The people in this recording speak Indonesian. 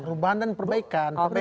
perubahan dan perbaikan